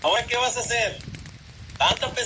Se encuentra en Egipto y Etiopía.